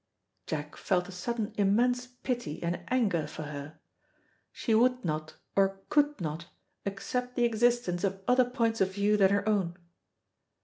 Jack felt a sudden immense pity and anger for her. She would not, or could not, accept the existence of other points of view than her own.